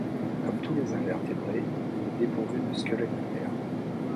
Comme tous les invertébrés, il est dépourvu de squelette interne.